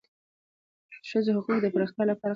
د ښځو حقوقو د پراختیا لپاره قوانین تصویب شول.